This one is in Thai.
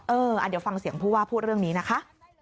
เออเดี๋ยวฟังเสียงผู้ว่าพูดเรื่องนี้นะคะ